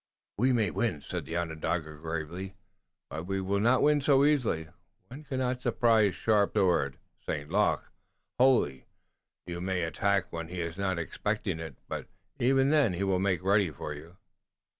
"We may win," said the Onondaga gravely, "but we will not win so easily. One cannot surprise Sharp Sword (St. Luc) wholly. You may attack when he is not expecting it, but even then he will make ready for you."